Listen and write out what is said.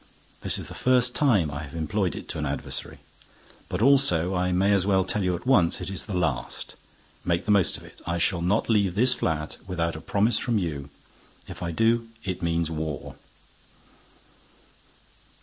This is the first time I have employed it to an adversary. But also, I may as well tell you at once, it is the last. Make the most of it. I shall not leave this flat without a promise from you. If I do, it means war."